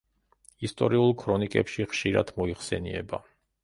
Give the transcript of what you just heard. ისტორიულ ქრონიკებში ხშირად მოიხსენიება.